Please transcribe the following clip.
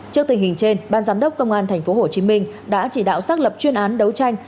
trước tình hình trên ban giám đốc công an tp hcm đã chỉ đạo xác lập chuyên án đấu tranh